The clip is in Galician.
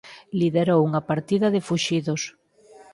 Liderou unha partida de fuxidos.